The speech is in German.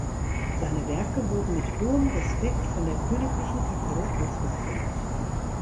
Seine Werke wurden mit hohem Respekt von der königlichen Kapelle aufgeführt.